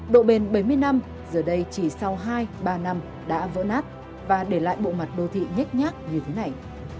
độ bền bảy mươi năm giờ đây chỉ sau hai ba năm đã vỡ nát và để lại bộ mặt đô thị nhách nhác như thế này